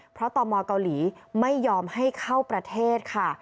เพราะตมเกาหลีไม่ยอมให้เข้าประเทศค่ะ